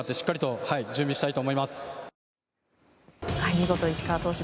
見事、石川投手